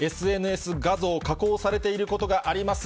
ＳＮＳ画像、加工されていることがあります。